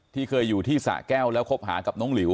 เคยอยู่ที่สะแก้วแล้วคบหากับน้องหลิว